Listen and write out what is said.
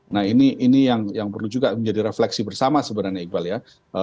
nah ini yang perlu juga menjadi refleksi bersama sebenarnya iqbal ya